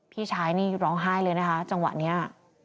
พี่ชายนี่ร้องไห้เลยนะคะจังหวะนี้